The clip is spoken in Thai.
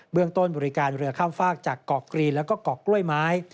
เรื่องต้นบริการเรือข้ามฟากจากเกาะกรีนแล้วก็เกาะกล้วยไม้